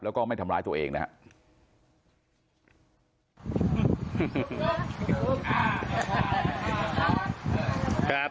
แล้วก็ไม่ทำร้ายตัวเองนะครับ